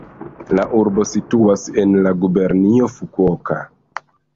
La urbo situas en la gubernio Fukuoka.